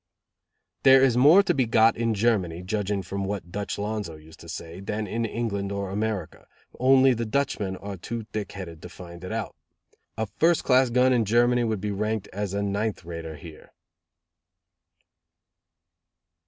"There is more to be got in Germany, judging from what Dutch Lonzo used to say, than in England or America, only the Dutchmen are too thick headed to find it out. A first class gun in Germany would be ranked as a ninth rater here."